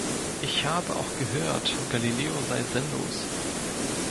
Ich habe auch gehört, Galileo sei sinnlos.